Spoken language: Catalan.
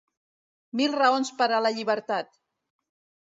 Mil raons per a la llibertat!